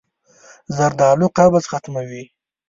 زردالو قبض ختموي.